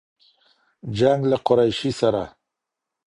جـنــګ له قــــريــشي ســــره